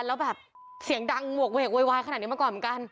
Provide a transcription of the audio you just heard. แล้วแบบเสียงดังโหวกเวกโวยวายขนาดนี้มาก่อนเหมือนกัน